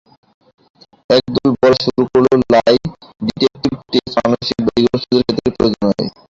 এক দল বলা শুরু করল-লাই ডিটেকটির টেষ্ট মানসিক ব্যাধিগ্রস্তাদের ক্ষেত্রে প্রযোজ্য নয়।